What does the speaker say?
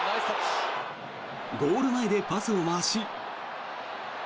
ゴール前でパスを回し。